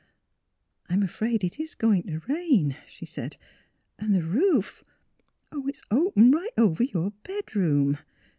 *' I'm afraid it is going to rain," she said. '' And the roof — Oh ! it 's open right over your bedroom.